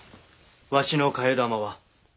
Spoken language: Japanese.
わしの替え玉は。